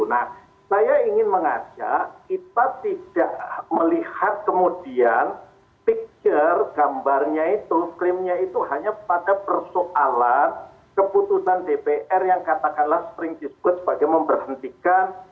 nah saya ingin mengajak kita tidak melihat kemudian picture gambarnya itu klaimnya itu hanya pada persoalan keputusan dpr yang katakanlah sering disebut sebagai memberhentikan